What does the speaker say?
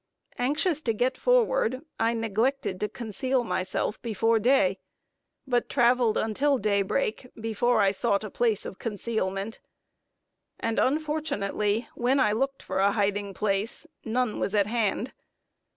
Anxious to get forward, I neglected to conceal myself before day; but traveled until daybreak before I sought a place of concealment, and unfortunately, when I looked for a hiding place, none was at hand.